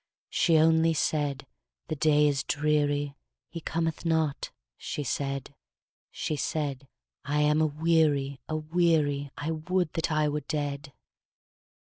She only said, 'The day is dreary, He cometh not,' she said; She said, 'I am aweary, aweary, I would that I were dead!'